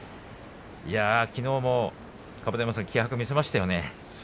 きのうも気迫を見せましたよね。